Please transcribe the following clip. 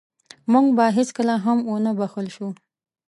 موږ به هېڅکله هم ونه بښل شو.